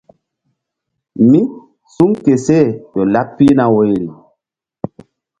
Mí suŋ ke seh ƴo laɓ pihna woyri.